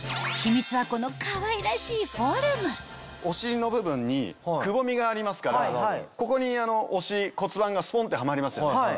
お尻の部分にくぼみがありますからここに骨盤がスポンってハマりますよね。